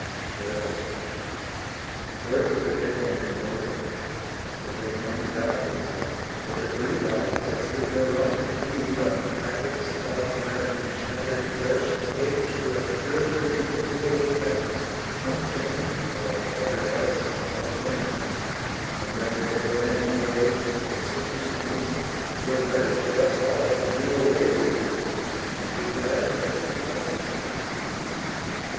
XII Where does a dead man go? The dead man dies; But the free life that would no longer feed On fagots of outburned and shattered flesh Wakes to a thrilled invisible advance, Unchained (or fettered else) of memory; And when the dead man goes it seems to me 'T were better for us all to do away With weeping, and be glad that he is gone.